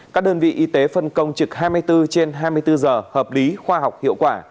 các đơn vị y tế phân công trực hai mươi bốn trên hai mươi bốn giờ hợp lý khoa học hiệu quả